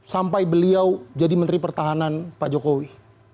sampai beliau jadi menteri pertahanan pak jokowi